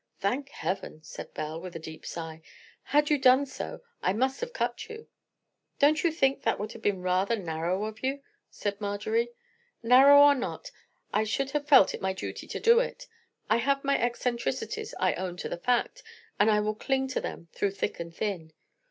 "Thank Heaven!" said Belle, with a deep sigh. "Had you done so, I must have cut you." "Don't you think that would have been rather narrow of you?" said Marjorie. "Narrow or not, I should have felt it my duty to do it. I have my eccentricities—I own to the fact—and I will cling to them through thick and thin.